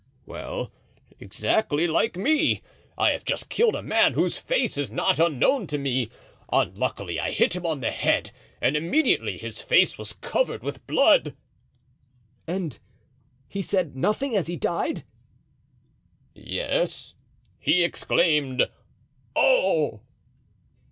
"Well! exactly like me! I have just killed a man whose face is not unknown to me. Unluckily, I hit him on the head and immediately his face was covered with blood." "And he said nothing as he died?" "Yes; he exclaimed, 'Oh!